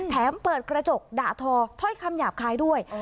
เปิดกระจกด่าทอถ้อยคำหยาบคายด้วย